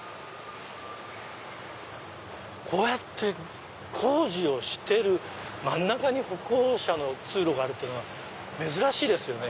こうやって工事をしてる真ん中に歩行者の通路があるのは珍しいですよね。